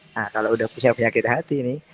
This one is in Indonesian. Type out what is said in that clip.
nah kalau udah punya penyakit hati nih